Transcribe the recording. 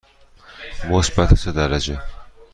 مثبت سه درجه.